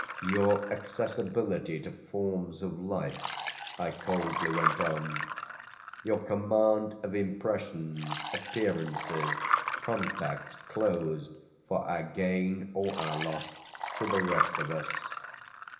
"Your accessibility to forms of life," I coldly went on, "your command of impressions, appearances, contacts closed for our gain or our loss to the rest of us.